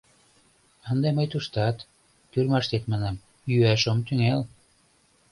Ынде мый туштат, тюрьмаштет манам, йӱаш ом тӱҥал.